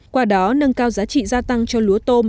qua đó nâng cao giá trị gia tăng cho lúa tôm